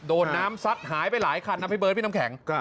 โดนน้ำซัดหายไปหลายคันนะพี่เบิร์ดพี่น้ำแข็ง